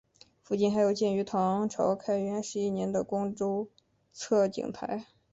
附近还有建于唐朝开元十一年的周公测景台。